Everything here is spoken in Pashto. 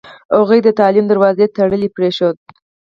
هغوی د تعلیم دروازه تړلې پرېښوده.